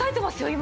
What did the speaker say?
今。